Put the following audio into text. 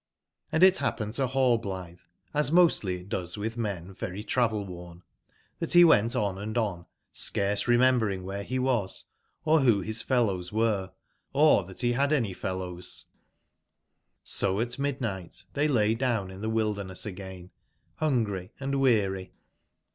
HndithappenedtoRallblithe, asmostlyitdoeswith men very travel/wom, that he went on and on scarce remembering where he was, or who his fellows were, or that he had any fellows j^So at midnight they lay down in the wilderness again, hungry and weary.